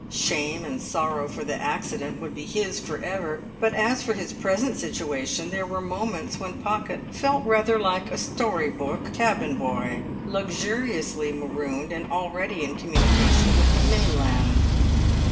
Shame and sorrow for the accident would be his for ever; but as for his present situation, there were moments when Pocket felt rather like a story book cabin boy luxuriously marooned, and already in communication with the mainland.